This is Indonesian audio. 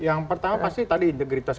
yang pertama pasti tadi integritas